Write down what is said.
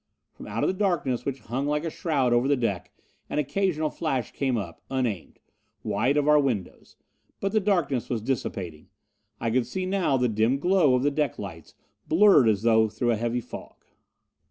From out of the darkness which hung like a shroud over the deck an occasional flash came up, unaimed wide of our windows. But the darkness was dissipating. I could see now the dim glow of the deck lights, blurred as through a heavy fog.